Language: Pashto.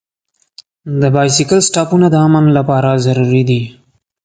د بایسکل سټاپونه د امن لپاره ضروري دي.